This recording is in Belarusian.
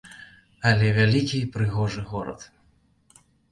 Але вялікі, прыгожы горад.